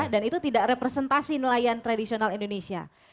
dan itu tidak representasi nelayan tradisional indonesia